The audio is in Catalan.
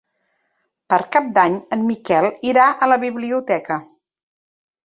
Per Cap d'Any en Miquel irà a la biblioteca.